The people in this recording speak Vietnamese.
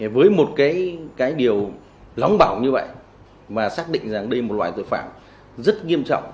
với một cái điều lóng bỏng như vậy mà xác định rằng đây là một loại tội phạm rất nghiêm trọng